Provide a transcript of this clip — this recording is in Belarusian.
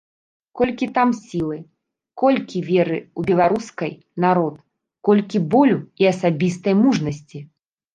Колькі там сілы, колькі веры ў беларускай народ, колькі болю і асабістай мужнасці.